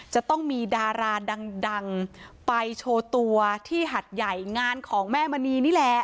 จะต้องมีดาราดังไปโชว์ตัวที่หัดใหญ่งานของแม่มณีนี่แหละ